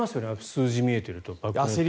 数字が見えていると。